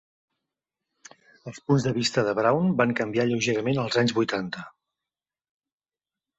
Els punts de vista de Brown van canviar lleugerament als anys vuitanta.